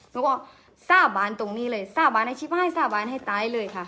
หนูก็สาบานตรงนี้เลยสาบานอาชีพให้สาบานให้ตายเลยค่ะ